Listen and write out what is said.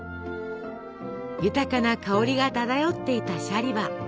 豊かな香りが漂っていたシャリバ。